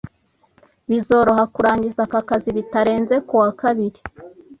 Bizoroha kurangiza aka kazi bitarenze kuwa kabiri